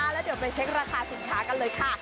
แล้วเดี๋ยวไปเช็คราคาสินค้ากันเลยค่ะ